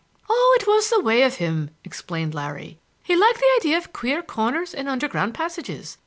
"Oh, it was the way of him!" explained Larry. "He liked the idea of queer corners and underground passages.